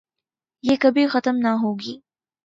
یہ کبھی ختم نہ ہوگی ۔